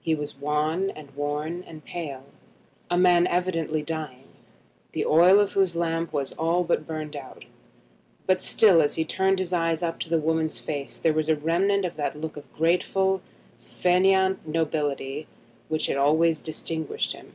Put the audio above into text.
He was wan and worn and pale, a man evidently dying, the oil of whose lamp was all burned out; but still as he turned his eyes up to the woman's face there was a remnant of that look of graceful fainéant nobility which had always distinguished him.